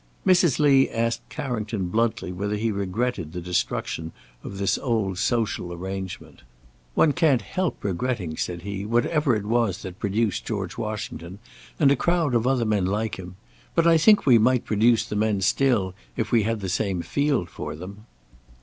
Mrs. Lee asked Carrington bluntly whether he regretted the destruction of this old social arrangement. "One can't help regretting," said he, "whatever it was that produced George Washington, and a crowd of other men like him. But I think we might produce the men still if we had the same field for them."